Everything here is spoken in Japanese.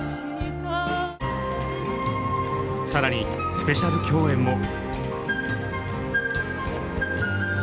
更にスペシャル共演も！